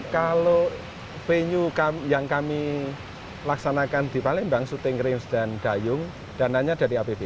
kalau venue yang kami laksanakan di palembang suting rings dan dayung dananya dari apbn